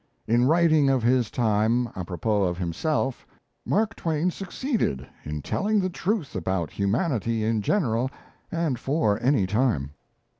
In writing of his time a propos of himself, Mark Twain succeeded in telling the truth about humanity in general and for any time.